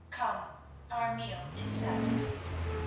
Come, our meal is set."